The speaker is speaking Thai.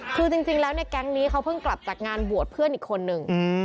คือจริงแล้วเนี่ยแก๊งนี้เขาเพิ่งกลับจากงานบวชเพื่อนอีกคนนึง